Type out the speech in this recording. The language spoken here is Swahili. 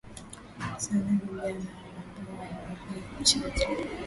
sana vijana wanaambiwa waende kucheza